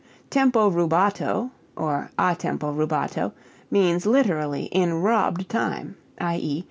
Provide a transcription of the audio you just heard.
Tempo rubato (or a tempo rubato) means literally in robbed time, _i.e.